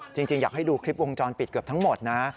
จริงอยากให้ดูคลิปวงจรปิดเกือบทั้งหมดนะ